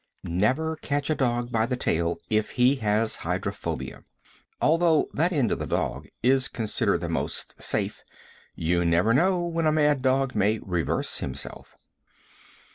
Never catch a dog by the tail if he has hydrophobia. Although that end of the dog is considered the most safe, you never know when a mad dog may reverse himself.